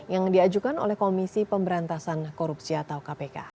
yang diajukan oleh komisi pemberantasan korupsi atau kpk